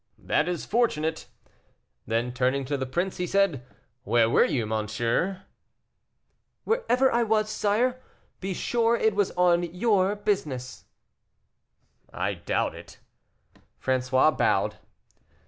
"That is fortunate." Then, turning to the prince, he said, "Where were you, monsieur?" "Wherever I was, sire, be sure it was on your business." "I doubt it." François bowed.